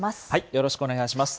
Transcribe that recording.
よろしくお願いします。